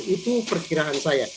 itu perkiraan saya